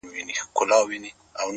ه ياره کندهار نه پرېږدم;